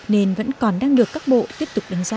nên vẫn còn đang được các bộ tiếp tục đánh giá